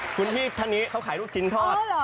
คุณพี่ท่านนี้เขาขายลูกชิ้นทอด